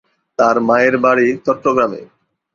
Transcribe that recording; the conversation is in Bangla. তার মায়ের বাড়ি চট্টগ্রামে।